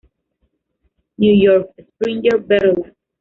New York: Springer-Verlag.